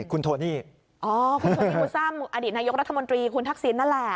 คุณโทนี่อุตส่าห์อดีตนายกรัฐมนตรีคุณทักษิณนั่นแหละ